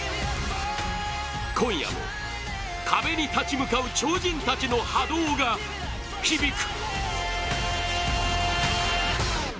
今夜も壁に立ち向かう超人たちの波動が響く。